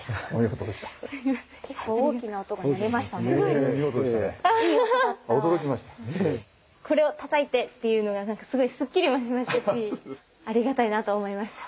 これをたたいてっていうのが何かすごいすっきりもしましたしありがたいなと思いました。